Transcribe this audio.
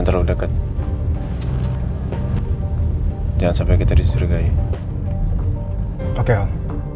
jangan terlalu dekat